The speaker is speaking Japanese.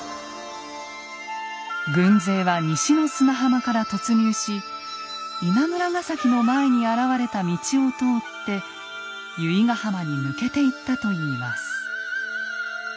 軍勢は西の砂浜から突入し稲村ヶ崎の前に現れた道を通って由比ガ浜に抜けていったといいます。